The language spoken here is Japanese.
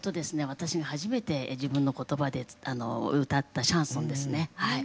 私が初めて自分の言葉で歌ったシャンソンですねはい。